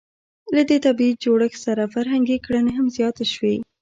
له دې طبیعي جوړښت سره فرهنګي کړنې هم زیاتې شوې.